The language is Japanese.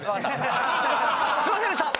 すいませんでした！